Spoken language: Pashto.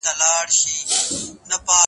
د مالونو نرخونه مخ په لوړېدو دي.